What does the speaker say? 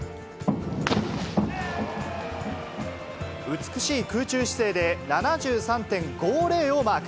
美しい空中姿勢で、７３．５０をマーク。